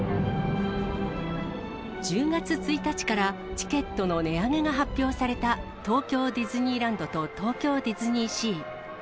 １０月１日からチケットの値上げが発表された、東京ディズニーランドと東京ディズニーシー。